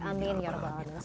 amin ya allah